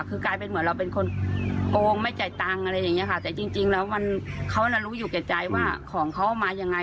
คือกลายเป็นเหมือนเราเป็นคนโกงไม่จ่ายตังค์อะไรอย่างเงี้ค่ะแต่จริงแล้วมันเขาน่ะรู้อยู่แก่ใจว่าของเขาเอามายังไง